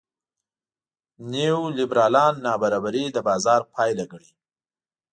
نیولېبرالان نابرابري د بازار پایله ګڼي.